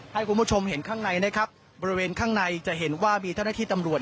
ให้คุณผู้ชมเห็นข้างในนะครับบริเวณข้างในจะเห็นว่ามีเจ้าหน้าที่ตำรวจ